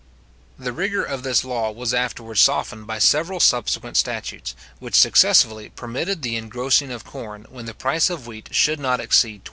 The rigour of this law was afterwards softened by several subsequent statutes, which successively permitted the engrossing of corn when the price of wheat should not exceed 20s.